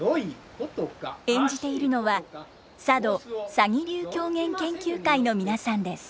演じているのは佐渡鷺流狂言研究会の皆さんです。